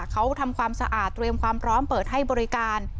เขาทำความสะอาดเตรียมความพร้อมเปิดให้บริการ